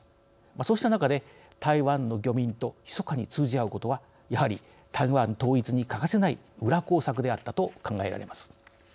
そうした中で、台湾の漁民とひそかに通じ合うことはやはり台湾統一に欠かせない裏工作であったと考えられます。